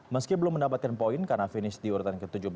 meski belum mendapatkan poin karena finish di urutan ke tujuh belas